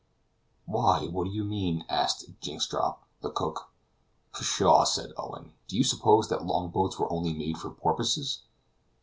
"Why, what do you mean to do?" asked Jynxstrop, the cook. "Pshaw!" said Owen, "do you suppose that longboats were only made for porpoises?"